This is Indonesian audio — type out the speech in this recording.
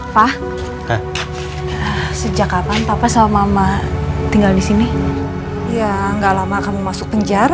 pak sejak kapan papa sama mama tinggal di sini ya nggak lama kamu masuk kejar